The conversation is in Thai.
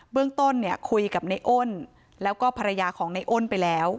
เรื่องต้นเนี่ยคุยกับในอ้นแล้วก็ภรรยาของในอ้นไปแล้ว